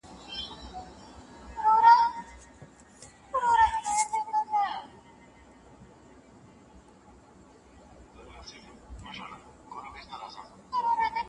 حقيقت موندل د څېړونکي کار دی.